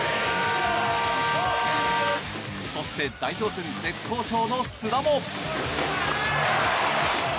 そして代表戦絶好調の須田も。